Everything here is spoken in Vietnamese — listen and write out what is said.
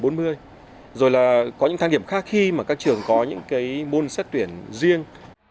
thang điểm bốn mươi rồi là có những thang điểm khác khi mà các trường có những cái bôn xét tuyển riêng